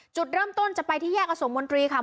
จุดเริ่มต้นจะไปที่แยกอสมมนตรีค่ะ